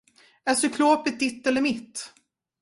Är cyklopet ditt eller mitt?